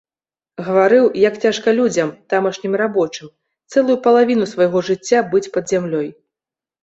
Гаварыў, як цяжка людзям, тамашнім рабочым, цэлую палавіну свайго жыцця быць пад зямлёй.